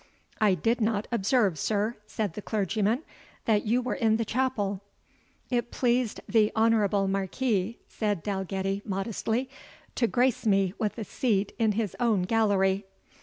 "I did not observe, sir," said the clergyman, "that you were in the chapel." "It pleased the honourable Marquis," said Dalgetty, modestly, "to grace me with a seat in his own gallery."